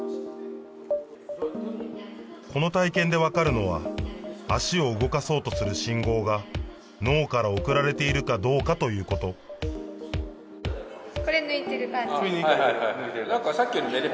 この体験で分かるのは足を動かそうとする信号が脳から送られているかどうかということこれ抜いてる感じ